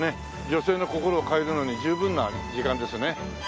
女性の心を変えるのに十分な時間ですね。